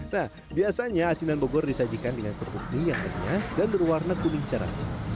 nah biasanya asinan bogor disajikan dengan kerupuk mie yang renyah dan berwarna kuning caranya